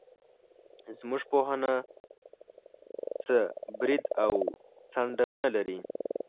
زموږ پوهنه څه برید او څنډه نه لري.